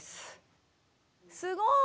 すごい！